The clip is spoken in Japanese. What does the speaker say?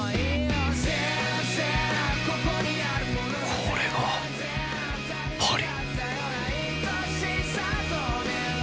これがパリ！